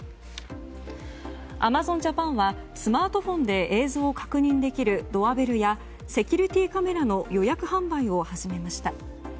アマゾンジャパンはスマートフォンで映像を確認できるドアベルやセキュリティーカメラの予約販売を始めました。